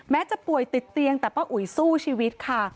จะป่วยติดเตียงแต่ป้าอุ๋ยสู้ชีวิตค่ะ